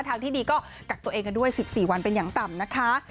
ทางที่ดีก็กักตัวเองกันด้วย๑๔วันเป็นอย่างต่ำนะคะ